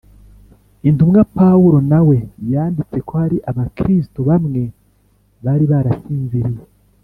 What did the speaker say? Intumwa Pawulo na we yanditse ko hari Abakristo bamwe bari barasinziriye